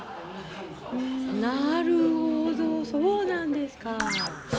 なるほどそうなんですか。